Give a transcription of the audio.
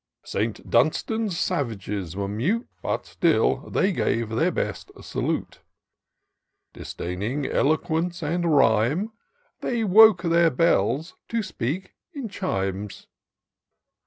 St. Dunstan*s savages were mute, But still they gave their best salute ; Disdaining eloquence and rhymes, They 'woke their bells to speak in chimes.